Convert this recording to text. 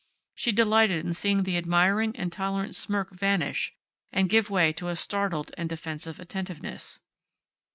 She delighted in seeing the admiring and tolerant smirk vanish and give way to a startled and defensive attentiveness.